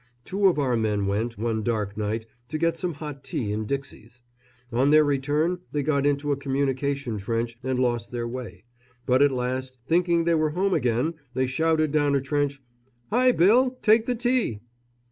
Two of our men went, one dark night, to get some hot tea in dixies. On their return they got into a communication trench and lost their way; but at last, thinking they were home again, they shouted down a trench, "Hi, Bill, take the tea!"